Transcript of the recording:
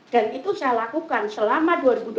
dan itu saya lakukan selama dua ribu dua puluh satu